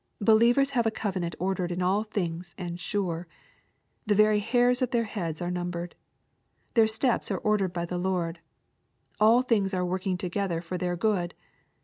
Believers have a covenant ordered in all things and sure. The very hairs of their heads are numbered. Their steps are ordered by the Lord. All things are working together for their good.